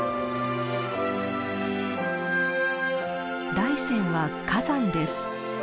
大山は火山です。